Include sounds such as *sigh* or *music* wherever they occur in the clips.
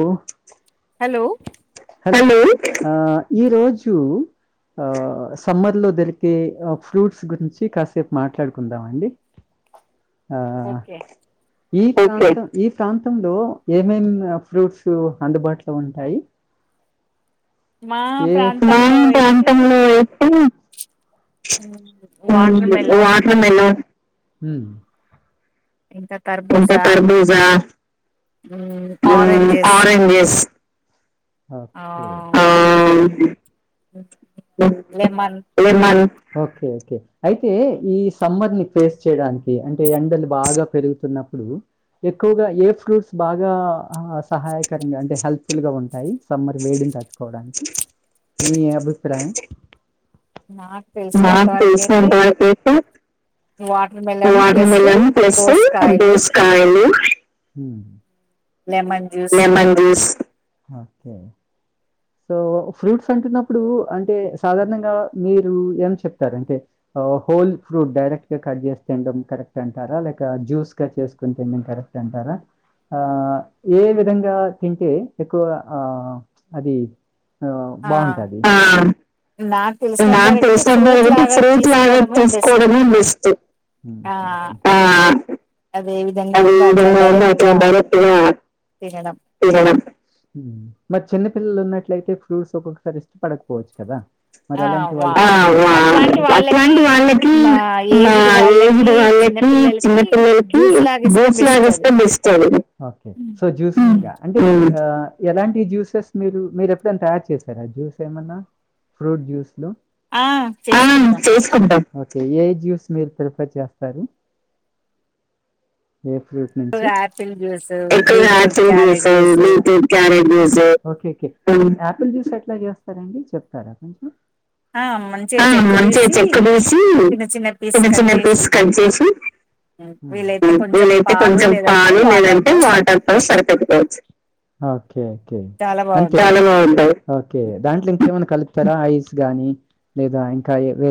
ఓ hello hello ఈరోజు summer లో దొరికే ఫ్రూట్స్ గురించి కాసేపు మాట్లాడుకుందామ అండి ఓకే ఈ ప్ర ఈ ప్రాంతంలో ఏమేం ఫ్రూట్స్ అందుబాటులో ఉం టాయ్ ఏ వాటర్ మిల్లన్ ఇంక కర్బూజా ఊ oranges okay *unintelligible* lemon okay okay అయితే ఈ సమ్మర్ ని ఫేస్ చేయడానికి అంటే ఎండలు బాగా పెరుగుతున్నప్పుడు ఎక్కువగా ఏ ఫ్రూట్స్ బాగా సహాయకరంగా అంటే హెల్ప్ఫుల్ గా ఉంటాయి సమ్మర్ వేడిని తట్టుకోవడానికి మీ అబి ప్రాయం మాకు తెలిసినంత వరకు అయితే వాటర్ మిలన్ ప్లస్ దోస కాయలు లెమన్ జ్యూస్ సో ఫ్రూట్స్ అంటున్నప్పుడు అంటే సాధారణంగా మీరు ఏం చెప్తారు అంటే హోల్ ఫ్రూట్ డైరెక్ట్గా కట్ చేసి తినడం కరెక్ట్ అంటారా లేక జ్యూస్ గా చేసుకొని తినడం కరెక్ట్ అంటారా ఆ ఏ విధంగా తింటే ఎక్కువ అది బాగుంటది ఉ హు ఏ విధంగా ఉందో అట్లా డైరెక్ట్ గా తినడం మరి చిన్నపిల్లలు ఉన్నట్లయితే ఫ్రూట్స్ ఒక్కొక్కసారి ఇష్ట పడకపోవచ్చు కదా మరి అలాంటి వాళ్ళకి ఓకే సో జ్యూస్ అంటే ఈహ ఎలాంటి జ్యూసెస్ మీరు మీరు ఎప్పుడైనా తయారు చేసారా జ్యూస్ ఏమన్నా ఫ్రూట్ జ్యూస్లు ఆ చేసుకుంటాం ఓకే ఏ జ్యూస్ మీరు ప్రిపర్ చేస్తారు ఏ ఫ్రూట్ నుంచి ఒకే ఆపిల్ జ్యూస్ ఎట్లా చేస్తారండి చెప్తారా కొంచెం ఆ మంచిగా చెక్కు తీసి చిన్న చిన్న పీస్ కట్ చేేసి వీలైతే కొంచెం పాలు లేదంటే వాటర్ తో సరిపెట్టుకోవచ్చు ఓకే ఓకే ఓకే దాంట్లో అట్లా ఏమన్న కలుతారా ఐస్ గాని లేదా ర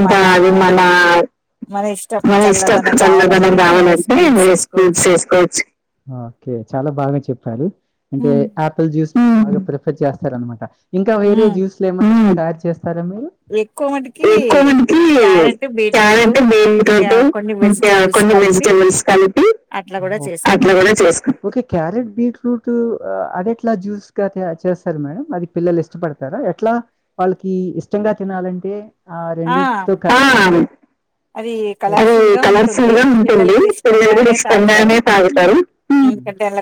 ఇకా అది మన మ ఇష్టం చన్నగాం కావాలట్ స్డ్స్ వసుకోవచ్చు చాలా బాగా చెప్పారు అంటే ఆపిల్ జ్యూస్ బాగా ప్రిపేర్ చేస్తారనమాట ఇంకా వేరే జ్యూస్లే ఏమన్నా తయారు చేస్ ఎక్కువ మందికి క్యారెట్, బీట్రూటు కొన్ని వెజిటబుల్స్ కలిపి అట్లా కూడా చేస్తాం. ఓకే క్యారెట్ బీట్రూటు అది ఎట్లా జ్యూస్ గా చేస్తారు మేడం. అది పిల్లలు ఇష్టపడతారా ఎట్లా వాళ్ళకి ఇష్టంగా తినాలంటే ఆ రెండింట్ తో కలి అది కలర్ఫుల్ గా ఉంటుంది. పిల్లలు కూడా ఇష్టంగానే తాగుతరు.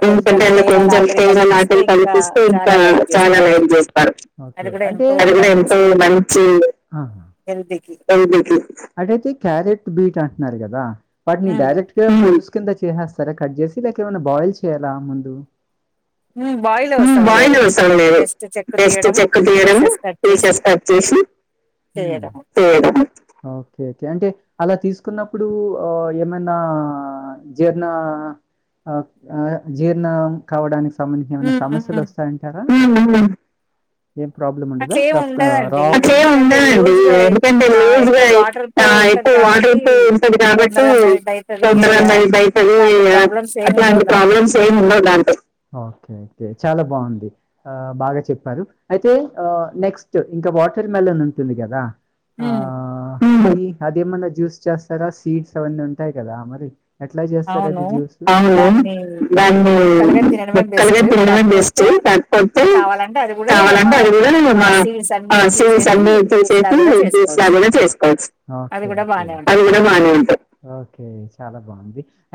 ఎందుకంటె అల్లా కొంచెం తేనె లాంటిది కలిపిస్తే ఇంకా చాలా లైక్ చేస్తారు. అది కూడా ఎంతో మంచి అటె చెయ్ క్యారెట్ బీట్ అంటున్నారు కదా *unintelligible* నీ డైరెక్ట్ గా తిస్ కింద చేసేస్తారా కట్ చేసి లేక ఏమన్నా బాయిల్ చేయాలా ముందు హ్మ్ బాయిల్ చేస్తాం అది జస్ట్ చెక్ తియడము రీస్టార్ట్ చేసి ఓకే ఓకే అంటే అలా తీసుకున్నప్పుడు ఏమైనా జీర్ణ అదే జీర్ణం కావడానికి *unintelligible* ఏమైనా సమస్యలు వస్తాయంటారా ఏం ప్రాబ్లం ఉండదా దట్ రాంగ్ అట్లేమ్ ఉండదండి. ఒకే ఒకే చాలా బా బాగుంది ఆ బాగా చెప్పారు. అయితే నెక్స్ట్ ఇంకా వాటర్ మిలన్ ఉంటుంది కదా హ్మ్ అది ఎమన్నా జ్యూస్ చేస్తారా స్వీట్స్ అవన్నీ ఉంటాయి కదా మరి ఎట్లా చేస్తారు అది జ్యూస్ అవును దాన్ని రెక్కలుగా తినడంమే బెస్ట్ కాకపోతే కావాలంటే అది కూడా నేను మా సి సండేస్ చేసి జ్యూస్లాగా కూడా చేసుకోవొచ్చు. అది కూడా బానే ఉంటది.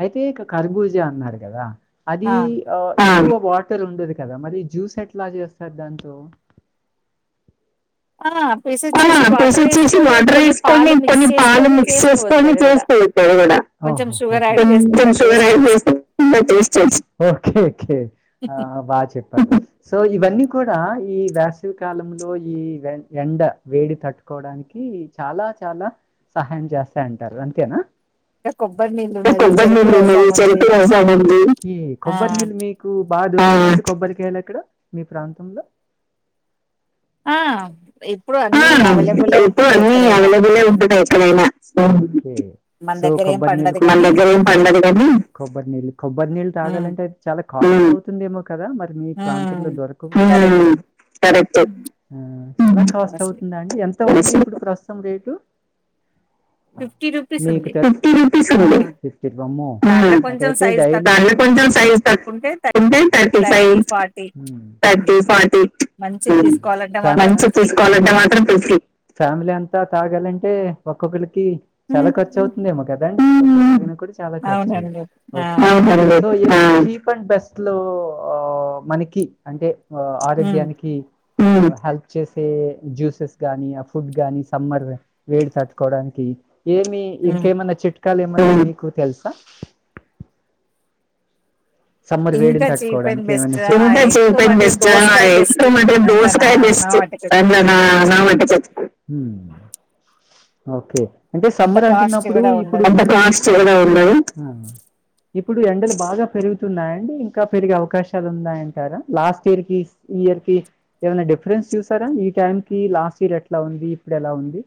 అయితే ఇక ఖర్బూజ అన్నారు కదా అది అ వాటర్ ఉండదు కదా మరి జ్యూస్ ఎట్లా చేస్తారు దాంతో హో హో ఒకే ఒకే చాలా బా చెప్ సో ఇవన్నీ కూడా ఈ వేసవ కాలంలో ఈ వె ఎండ వేడి తట్టుకోవడానికి చాలా చాలా సహాయం చేస్తాయి అంటారు అంతేనా ఈ కొబ్బరినీళ్లు మీకు బాగా దొరకుతాయండి కొబ్బరికయాల అక్కడ మీ ప్రాంతంలో ఆ ఇప్పు అన్నీ అవైలబులే ఉంటుందా ఎక్కడైనా సో కొబ్బరి నీళ్ళు కొబ్బరి నీళ్ళు కొబ్బరి నీళ్ళు తాగాలంటే అది చాలా కాస్ట్ అతుందిమో కదా మరి మీ ప్రాంతంలో దొరక చవుతుంద అండి ఎం వస్తు ఇప్పుడు ప్రస్తుతం రేటు మీకు ఫిఫ్టీ రూపీస్ ఫ్మ్డై దాలో కొంచ సైజంటే థర్టీ సై థర్టీ ఫార్టీ మంచి *unintelligible* ఫ్యామిలీ అంతా తాగాలంటే ఒక్కొక్కరి చాలా ఖర్చు అవుతుంది ఏమొకద అండి ఆ చాలా కర్చు చీఫ్ అండ్ బెస్ట్ లో మనకి అంటే ఆ ఆరోగ్యానికి హెల్ప్ చే అతే జ్యూసెస్ గాని ఆ ఫుడ్ గాని సమ్మర్ వేడి తట్టుకోవడానికి ఏమి ఇంకేమన్నా చెట్ కాల ఏం అన మీకు తెల్సా సమ్మర్ వేడిని తట్టుకోవడానికి *unintelligible* ఓకే అంటే సమ్మర్ అంటున్నప్పుడు ఇప్పుడు *inaudible* ఇప్పుడు ఎండలు బాగా పెరుగుతున్నాయిడి ఇంకా పెరిగే అవకాశాలు ఉన్నాయంటారా లాస్ట్ ఇయర్ కి ఈ ఇయర్ కి ఏమైనా డిఫరెన్స్ చూసారా ఈ టైం కి లాస్ట్ ఇయర్ ఎట్లా ఉంది ఇప్పుడు ఎలా ఉంది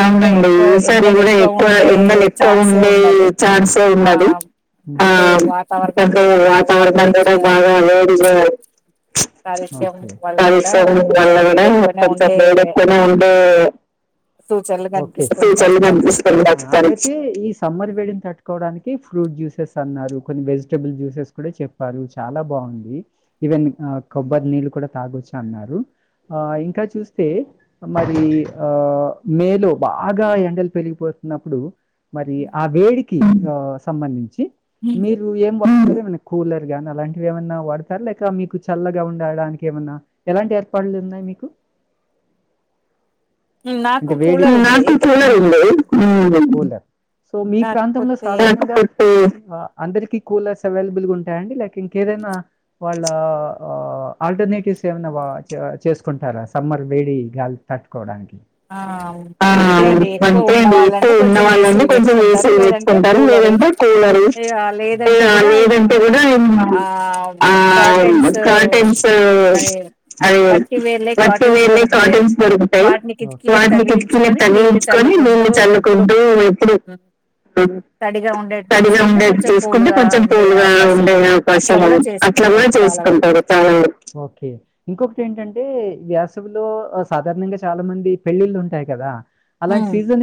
అవునండి ఈసారి కూడా ఎక్కువ ఎండలు ఎక్కువ ఉండే ఛాన్సే ఉండది ఆ కొ వాతావరణన్ని బాగా వేడిగా కలుస వల్ల కూడా కొంచెం వేడెక్కువ ఉండే ఒకే ఈ సమ్మర్ వేడిని తట్టుకోవడానికి ఫ్రూట్ జ్యూసెస్ అన్నారు కొన్ని వెజిటబుల్ జ్యూసెస్ కూడా చెప్పారు చాలా బాగుంది ఈవెన్ కొబ్బరి నీళ్ళు కూడా తాగొచ్చు అన్నారు ఆ ఇంకా చూస్తే మరి ఆ మేలో బాగా ఎండలు పెరిగిపోతున్నప్పుడు మరి ఆ వేడిక సంబంధించి మీరు ఏం వస్తు కూలర్ గాని అలాంటివి ఏమన్నా వాడతార లేక మీకు చల్లగా ఉండడానికి ఏమన్నా ఎలాంటి ఏర్పాట్లు ఉన్నాయి మీకు అంటే వేడి నా చ అ సో మీ ప్రాంతంలో సాధారణంగా అందరికి కూలర్స్ అవైలబుల్ గా ఉంటాయంండి లేక ఇంకేదైనా వాళ్ళ ఆ ఆల్టర్నేటివ్స్ ఏమైనా చేసుకుంటారా సమ్మర్ వేడి గాలి తట్టుకోవడానికి ఆ అంతే అండి ఎక్కువ ఉన్నవాళ్ళంటే కొంచెం ఏసీ పెట్టుకుంటారు లేదంటే కూలరు లేదంటే కూడా ఆయన ఆ కాటన్స్ అది వట్టి వేళ్ళే కాటెన్స్ దొరుకుతాయి వాటికి వాటినికికిన తని ఇచ్చుకొని నీళ్ళు చల్లుకుంటూ ఎప్పుడు తడిగా ఉండేది చూసుకుంటే కొంచెం తేలుగా ఉండే అవకాశాలు అట్లా కూడా చేసుకుంటారు చాల వ్యాసవి లో సాధారణంగా చాలా మంది పెళ్ళిళ్ళు ఉంటాయి కదా అలాంటి సీజన్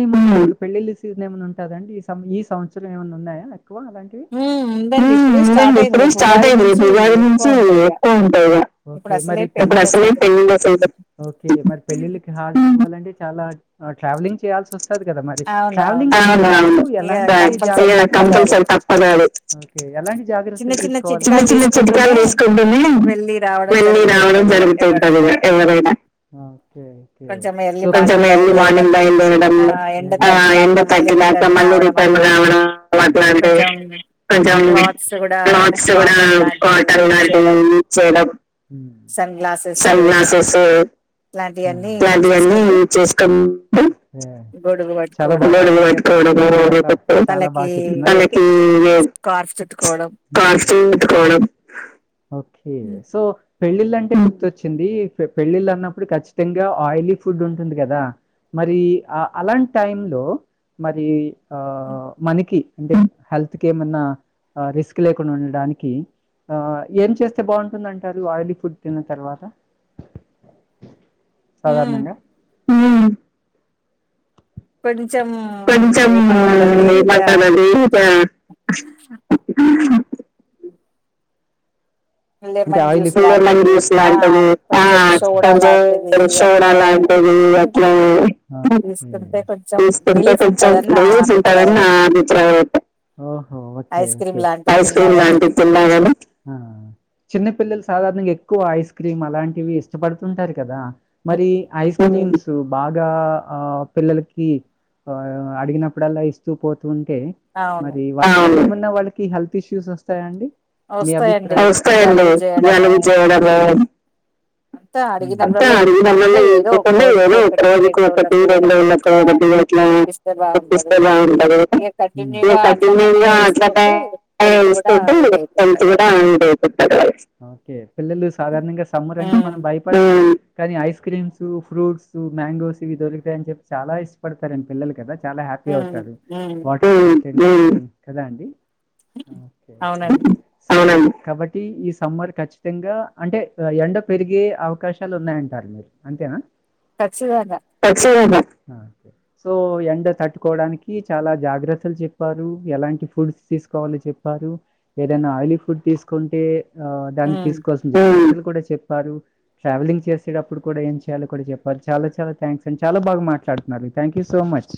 *inaudible* పెళ్ళిళ్ళ సీజన్ ఏమనా ఉంటాదండి. ఈ సం ఈ సంవత్సరం ఏమన్నా ఉన్నాయా. హా ఉందండి. ఇప్పుడే స్టార్ట్ అయింది, రేపు ఉగాది నుంచి ఎక్కువ ఉంటయి ఇగా. ఇప్పుడే అసలైనా పెళ్ళిళ్ళ సీజన్. అవునండి చాలా ట్రావెలింగ్ చేయాల్సి వస్ స్తది కదా మరి. ట్రావెలింగ్ *inaudible* ఓకే ఎలాంటి చిన్న చిన్న చిట్కాలు తీసుకుంటునే వెళ్ళీ రావడం జరుగుతుంటది ఎవరైనా. కొంచెం ఎర్లీ మార్నింగ్ బయలు దేరడం, ఆ ఎండ తగ్గినాక మళ్ళీ రిటర్న్ కావడం అట్లాంటివి కొంచెం క్లాత్స్ కూడా కాటన్ లాంటివి యూజ్ చేయడం సన్ గ్లాసెస్ ఇయన్నీ యూజ్ చేసుకుంటూ *inaudible* స్కార్ఫ్ కోడం ఓకే సో పెళ్ళిళ్ళంటే గుర్తోచ్చింది పెళ్ళిళ్ళు అన్నప్పుడు ఖచ్చితంగా గా ఆయిలీ ఫుడ్ ఉంటుంది కదా మరి అ అలాంటి టైం లో మరీ ఆ మనకి అంటే హెల్త్ కి ఏమన్నా ఆ రిస్క్ లేకుండా ఉండడానికి ఆ ఏం చేస్తే బావుంటుంది అంటారు ఆయిల్ ఫుడ్ తిన్న తర్వాత. సాధారణంగా *inaudible* ప్పండి. కొంచెం ఏమంటారు అది ఇగా అంటే ఆయిల్ తీసుకుంటే కొంచెం రిలీఫ్ ఉంటదని నా అభిప్రాయం. ఐస్ క్రీమ్ లాంటివి తిన్నా కాని చిన్నపిల్లలు సాధారణంగా ఎక్కువ ఐస్ క్రీమ్ అలాంటివి ఇష్టపడుతుంటారు కదా మరి ఐస్ క్రీమ్స్ సు బాగా ఆ పిల్లలకి ఆ అడిగినప్పుడల్లా ఇస్తూ పో తుంటే మరి వా తిన్న వాళ్ళకి హెల్త్ ఇష్యూస్ వస్తాయా అండి. ఆ వస్తాయండి. వస్తాయిఅండి *inaudible* ఆను అంతే అడిగినప్పుడల్లా ఇయ్యాకోకుండా ఏదో రోజుకి ఒకటో రెండు రోజులకి అట్లా ఇప్పిస్తే బాగుంటది గానీ ఇగ కంటిన్యూగా ఇట్లనే ఇస్తుంటే కొంచం కూడా *unintelligible* ఒకే పిల్లలు సాధారణంగా సమ్మర్ అంటే మనం భయపడ కానీ ఐస్ క్రీమ్స్ ఫ్రూట్స్ మ్యాంగోస్ ఇవి దొరుకుతాయ అని చెప్పి చాలా ఇష్టపడతారండి పిల్లలు కదా చాలా హ్యాపీ అవుతారు వాటి కదా అండి ఓకే ఓకే అవునండి కాబట్టి ఈ సమ్మర్ ఖచ్చితంగా అంటే ఎండ పెరిగే అవకాశాలు ఉన్నాయంటారు మీరు అంతేనా ఖచ్చితంగా సో ఎండ తట్టుకోడానికి చాలా జాగ్రత్తలు చెప్పారు ఎలాంటి ఫుడ్స్ తీసుకోవాలో చెప్పారు ఏదైనా ఆయిలీ ఫుడ్ తీసుకుంట ఏ ఆ దానికి తీసుకోవాల్సింది చెప్పారు ట్రావెలింగ్ చేసేటప్పుడు కూడా ఏం చేయాలో కూడా చెప్పారు చాలా చాలా థాంక్స్ అం చాలా బాగా మాట్లాడుతున్నారు థ్యాంక్ యూ సో మచ్